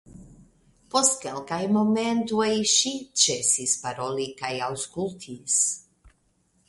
Post kelkaj momentoj ŝi ĉesis paroli kaj aŭskultis.